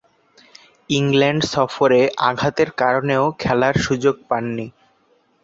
England সফরে আঘাতের কারণেও খেলার সুযোগ পাননি।